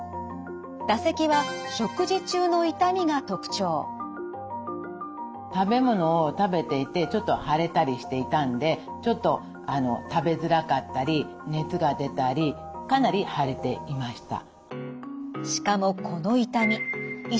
唾石は食べ物を食べていてちょっと腫れたりして痛んでちょっと食べづらかったり熱が出たりかなり腫れていました。